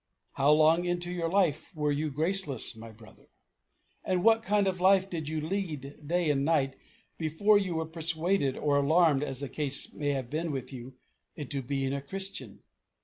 How long into your life were you graceless, my brother? And what kind of life did you lead day and night before you were persuaded or alarmed, as the case may have been with you, into being a Christian?